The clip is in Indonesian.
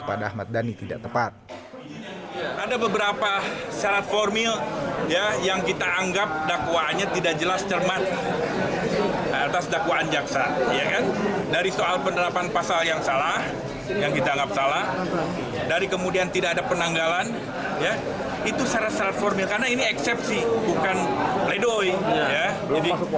itu syarat syarat formil karena ini eksepsi bukan ledoi